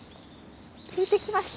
引いてきました。